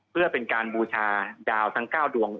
เพื่อเป็นการบูชาดาวทั้ง๙ดวง